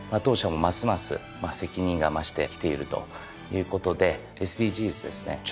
当社もますます責任が増してきているということでＳＤＧｓですね